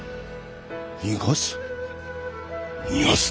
逃がす？